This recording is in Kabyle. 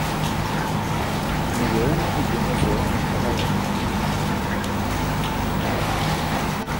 Negren Idinuẓuṛen acḥal ay-a.